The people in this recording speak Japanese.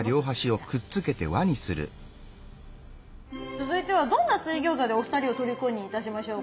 続いてはどんな水餃子でお二人を虜にいたしましょうか。